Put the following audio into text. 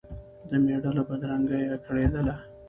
د مېړه له بدرنګیه کړېدله